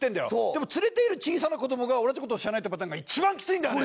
でも連れている小さな子どもが俺たちの事を知らないってパターンが一番きついんだよね。